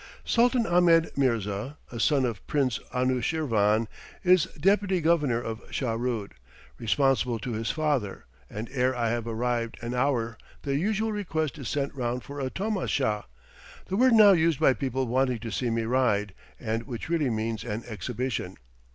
Sultan Ahmed Mirza, a sou of Prince Anushirvan, is deputy governor of Shahrood, responsible to his father; and ere I have arrived an hour the usual request is sent round for a "tomasha," the word now used by people wanting to see me ride, and which really means an exhibition.